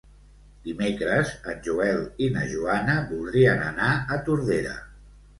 Dimecres en Joel i na Joana voldrien anar a Tordera.